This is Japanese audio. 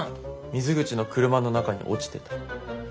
水口の車の中に落ちてた。